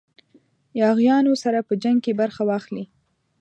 یاغیانو سره په جنګ کې برخه واخلي.